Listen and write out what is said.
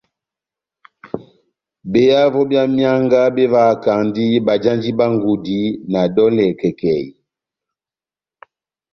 Behavo bia mianga bevahakandi bajandi bá ngudi na dolè kèkèi.